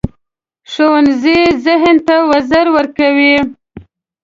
ښوونځی ذهن ته وزر ورکوي